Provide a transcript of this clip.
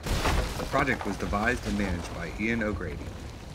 The project was devised and managed by Ian O'Grady.